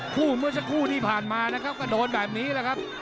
เมื่อสักครู่ที่ผ่านมานะครับก็โดนแบบนี้แหละครับ